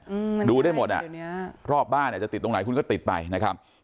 อืมดูได้หมดอ่ะรอบบ้านอ่ะจะติดตรงไหนคุณก็ติดไปนะครับ